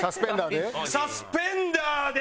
サスペンダーで。